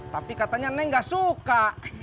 tapi katanya neng gak suka